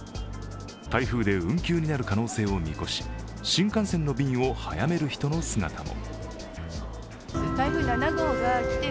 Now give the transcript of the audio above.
台風で運休になる可能性を見越し、新幹線の便を早める人の姿も。